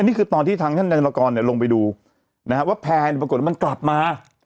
นี่คือตอนที่ทางท่านนายธนกรลงไปดูนะฮะว่าแพร่ปรากฏว่ามันกลับมา